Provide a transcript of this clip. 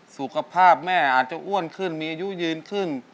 สุขภาพแม่อาจจะอ้วนขึ้นมีอายุยืนขึ้น